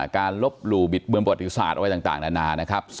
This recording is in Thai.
การลบหลู่บิดเบือนประวัติศาสตร์อะไรต่างนานานะครับ